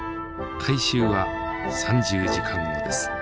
回収は３０時間後です。